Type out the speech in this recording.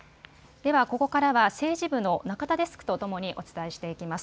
ではここからは政治部の中田デスクとともにお伝えしていきます。